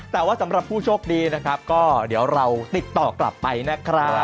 แต่ว่าสำหรับผู้โชคดีนะครับก็เดี๋ยวเราติดต่อกลับไปนะครับ